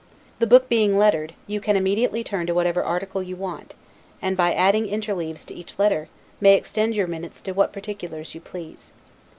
The book being lettered, you can immediately turn to whatever article you want; and, by adding interleaves to each letter, may extend your minutes to what particulars you please.